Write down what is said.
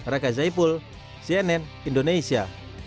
raka zaipul cnn indonesia